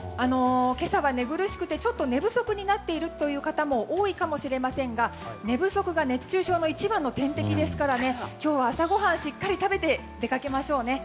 今朝は寝苦しくて寝不足な方も多いかもしれませんが寝不足が熱中症の一番の天敵ですから今日は朝ごはんをしっかり食べて出かけましょう。